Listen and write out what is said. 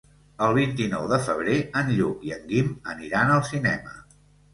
El vint-i-nou de febrer en Lluc i en Guim aniran al cinema.